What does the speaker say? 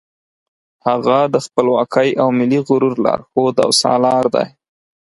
هغه د خپلواکۍ او ملي غرور لارښود او سالار دی.